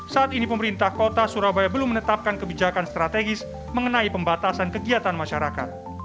saat ini pemerintah kota surabaya belum menetapkan kebijakan strategis mengenai pembatasan kegiatan masyarakat